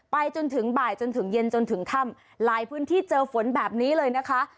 จนถึงบ่ายจนถึงเย็นจนถึงค่ำหลายพื้นที่เจอฝนแบบนี้เลยนะคะ